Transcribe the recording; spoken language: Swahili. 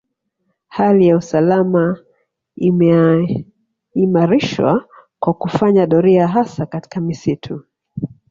Hali ya usalama imeimarishwa kwa kufanya doria hasa katika misitu